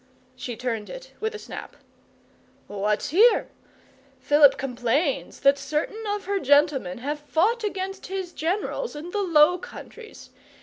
She turned it with a snap. 'What's here? Philip complains that certain of her gentlemen have fought against his generals in the Low Countries.